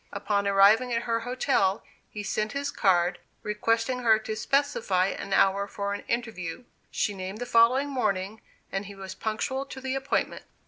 Upon arriving at her hotel, he sent his card, requesting her to specify an hour for an interview. She named the following morning, and he was punctual to the appointment.